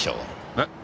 えっ？